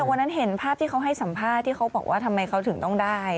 แต่วันนั้นเห็นภาพที่เขาให้สัมภาษณ์ที่เขาบอกว่าทำไมเขาถึงต้องได้